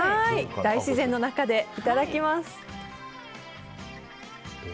大自然の中でいただきます。